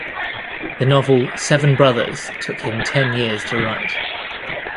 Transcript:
The novel "Seven Brothers" took him ten years to write.